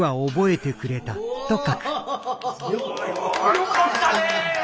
よかったね！